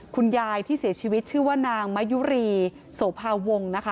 คุณยายที่เสียชีวิตชื่อว่านางมะยุรีโสภาวงศ์นะคะ